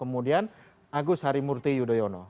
kemudian agus harimurti yudhoyono